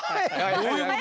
どういうこと？